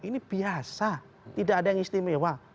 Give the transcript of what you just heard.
ini biasa tidak ada yang istimewa